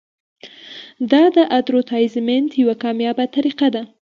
دا د اډورټایزمنټ یوه کامیابه طریقه ده.